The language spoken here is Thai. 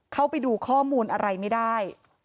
เข้าไปดูข้อมูลอะไรไม่ได้